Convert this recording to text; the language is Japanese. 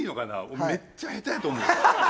俺めっちゃ下手やと思う。